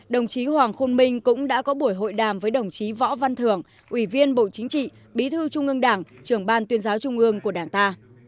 đồng chí hoàng khôn minh cũng đã có buổi hội đàm với đồng chí võ văn thưởng ủy viên bộ chính trị bí thư trung ương đảng trưởng ban tuyên giáo trung ương của đảng ta